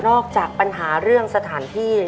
จากปัญหาเรื่องสถานที่